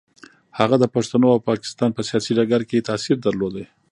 هغه د پښتنو او پاکستان په سیاسي ډګر کې تاثیر درلود.